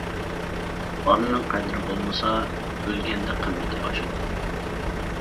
بارنىڭ قەدىر بولمىسا، ئۆلگەندە قىممىتى ئاشىدۇ.